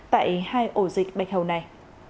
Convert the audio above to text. tại hai ổ dịch bạch hầu này